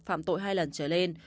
phạm tội hai lần trở lên